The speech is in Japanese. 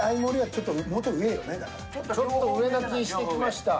ちょっと上な気してきました。